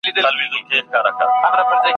هر ربات مو ګل غونډۍ کې هره دښته لاله زار کې `